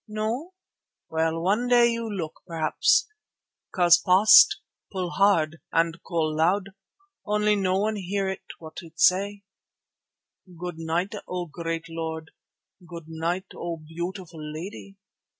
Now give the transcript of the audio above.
No! Well, one day you look p'raps, 'cause past pull hard and call loud, only no one hear what it say. Good night, O great Lord. Good night, O beautiful lady.